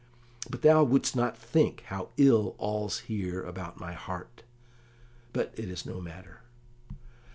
But thou wouldst not think how ill all's here about my heart; but it is no matter."